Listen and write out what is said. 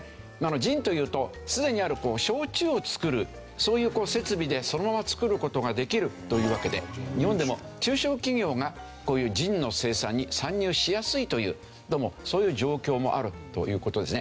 ジンというとすでにある焼酎を造るそういう設備でそのまま造る事ができるというわけで日本でも中小企業がこういうジンの生産に参入しやすいというどうもそういう状況もあるという事ですね。